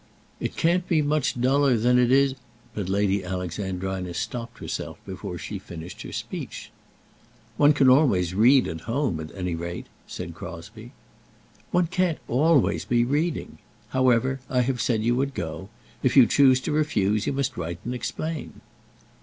"It can't be much duller than it is ;" but Lady Alexandrina stopped herself before she finished her speech. "One can always read at home, at any rate," said Crosbie. "One can't always be reading. However, I have said you would go. If you choose to refuse, you must write and explain."